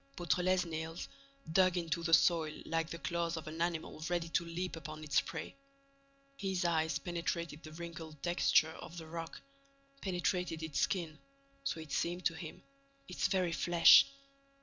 Beautrelet's nails dug into the soil like the claws of an animal ready to leap upon its prey. His eyes penetrated the wrinkled texture of the rock, penetrated its skin, so it seemed to him, its very flesh.